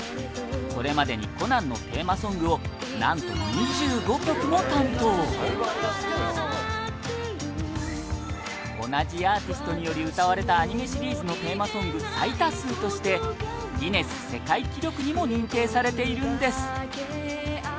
これまでに『コナン』のテーマソングをなんと、２５曲も担当同じアーティストにより歌われたアニメシリーズのテーマソング最多数としてギネス世界記録にも認定されているんです